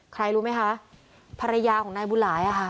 รู้ไหมคะภรรยาของนายบุญหลายอ่ะค่ะ